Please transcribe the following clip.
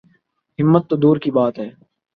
ہمت تو دور کی بات ہے۔